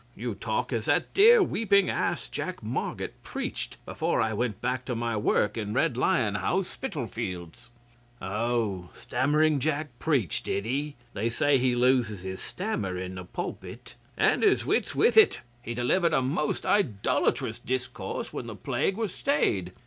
You talk as that dear weeping ass Jack Marget preached before I went back to my work in Red Lion House, Spitalfields.' 'Oh! Stammering Jack preached, did he? They say he loses his stammer in the pulpit.' 'And his wits with it. He delivered a most idolatrous discourse when the plague was stayed.